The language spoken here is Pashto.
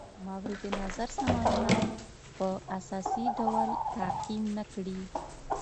مورد نظر سامانونه په اساسي ډول تعقیم نه کړي.